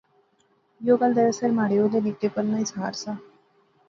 یو گل دراصل مہاڑے ہولے نکے پن نا اظہار سا